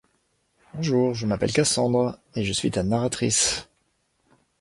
Bonjour, je m’appelle Cassandre, et je suis ta narratrice.